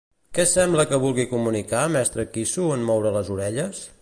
Què sembla que vulgui comunicar Mestre Quissu en moure les orelles?